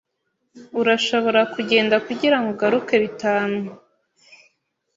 Urashobora kugenda kugirango ugaruke bitanu.